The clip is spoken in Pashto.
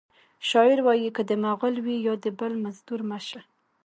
شاعر وایی که د مغل وي یا د بل مزدور مه شه